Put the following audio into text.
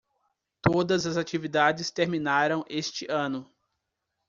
Todas as atividades terminaram este ano.